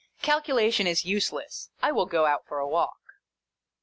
Calculation is useless. I will go out for a walk.